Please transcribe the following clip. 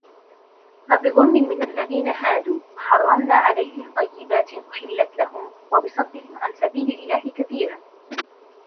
فبظلم من الذين هادوا حرمنا عليهم طيبات أحلت لهم وبصدهم عن سبيل الله كثيرا